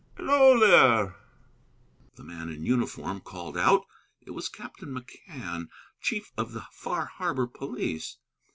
"Hello, there!" the man in uniform called out. It was Captain McCann, chief of the Far Harbor police.